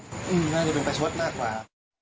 น่าจะเป็นประชดมากกว่า